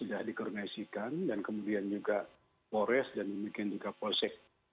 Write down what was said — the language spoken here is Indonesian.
sudah dikoordinasikan dan kemudian juga polres dan demikian juga polsek